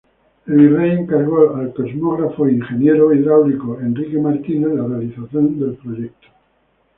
El virrey encargó al cosmógrafo e ingeniero hidráulico Enrico Martínez la realización del proyecto.